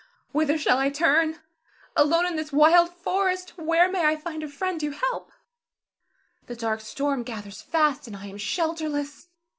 Whither shall I turn? Alone in this wild forest, where may I find a friend to help. The dark storm gathers fast, and I am shelterless.